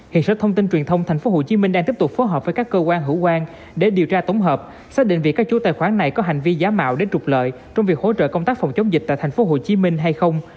hiện sở thông tin truyền thông tp hcm đang tiếp tục phối hợp với các cơ quan hữu quan để điều tra tổng hợp xác định việc các chú tài khoản này có hành vi giả mạo để trục lợi trong việc hỗ trợ công tác phòng chống dịch tại tp hcm hay không